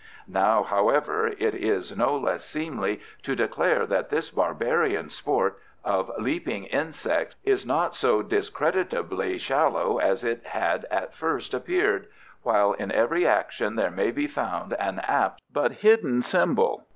Now, however, it is no less seemly to declare that this barbarian sport of leaping insects is not so discreditably shallow as it had at first appeared, while in every action there may be found an apt but hidden symbol.